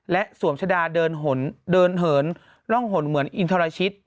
และสวมชะดาเดินเหินร่องหนเหมือนอินทรชิต